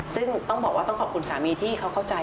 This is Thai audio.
ซึ่งต้องบอกว่าต้องขอบคุณสามีที่เขาเข้าใจ